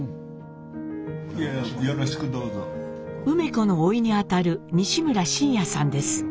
梅子のおいにあたる西村眞彌さんです。